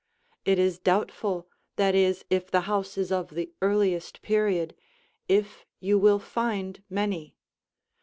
It is doubtful, that is, if the house is of the earliest period, if you will find many.